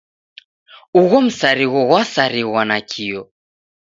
Ugho msarigho ghwasarighwa nakio.